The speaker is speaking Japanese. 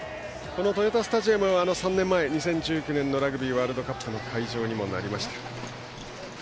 この豊田スタジアムは３年前、２０１９年のラグビーワールドカップの会場にもなりました。